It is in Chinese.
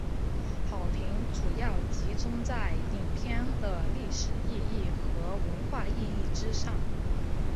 好评主要集中在影片的历史意义和文化意义之上。